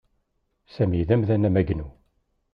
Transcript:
Sami d amdan amagnu.